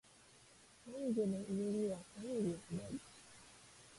まゆげのうえにはまゆげはない